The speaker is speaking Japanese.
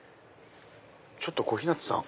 ちょっと小日向さん。